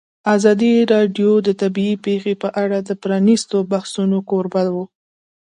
ازادي راډیو د طبیعي پېښې په اړه د پرانیستو بحثونو کوربه وه.